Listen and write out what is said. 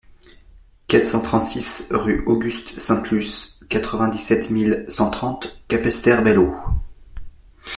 quatre cent trente-six rue Auguste Sainte-Luce, quatre-vingt-dix-sept mille cent trente Capesterre-Belle-Eau